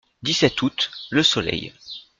dix-sept août., Le Soleil.